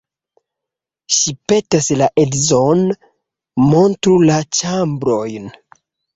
Ŝi petas la edzon, montru la ĉambrojn.